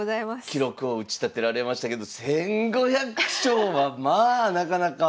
記録を打ち立てられましたけど１，５００勝はまあなかなか。